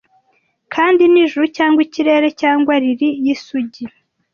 kandi n'ijuru cyangwa ikirere cyangwa lili y'isugi